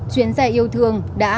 chuyến xe yêu thương đã